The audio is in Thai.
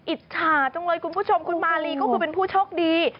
อิจฉาจังเลยคุณผู้ชมคุณมาลีก็คือเป็นผู้โชคดี